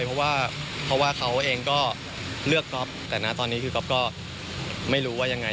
เพราะว่าเพราะว่าเขาเองก็เลือกก๊อฟแต่นะตอนนี้คือก๊อฟก็ไม่รู้ว่ายังไง